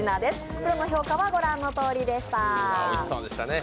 プロの評価はご覧のとおりでした。